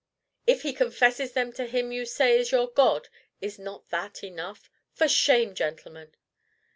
If he confesses them to him you say is your God, is not that enough? For shame, gentlemen!"